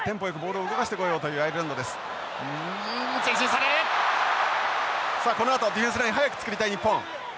さあこのあとディフェンスライン早く作りたい日本。